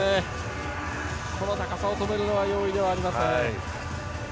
この高さを止めるのは容易ではありません。